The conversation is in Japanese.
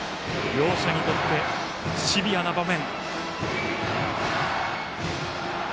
両者にとってシビアな場面。